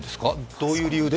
どういう理由で？